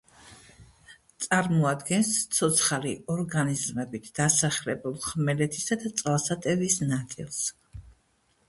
წარმოადგენს ცოცხალი ორგანიზმებით დასახლებულ ხმელეთისა და წყალსატევის ნაწილს.